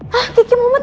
hah kiki memut